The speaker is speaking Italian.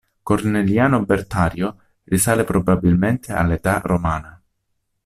Corneliano Bertario risale probabilmente all'età romana.